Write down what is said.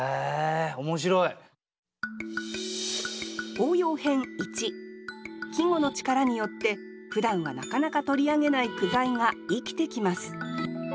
応用編１季語の力によってふだんはなかなか取り上げない句材が生きてきます